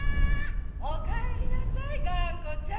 おかえりなさいがんこちゃん。